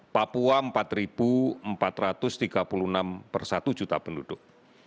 papua empat empat ratus tiga puluh enam per satu juta penduduk